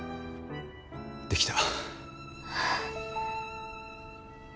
できた。